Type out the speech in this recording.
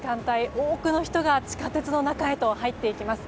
多くの人が地下鉄の中へと入っていきます。